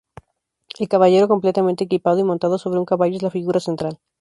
El caballero, completamente equipado y montado sobre un caballo, es la figura central.